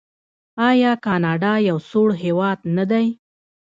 آیا کاناډا یو سوړ هیواد نه دی؟